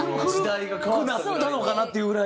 古くなったのかなっていうぐらい。